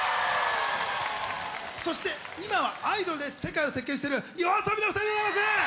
そして今は「アイドル」で世界を席巻しているＹＯＡＳＯＢＩのお二人でございます！